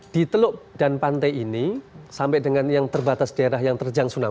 di teluk dan pantai ini sampai dengan yang terbatas daerah yang terjang tsunami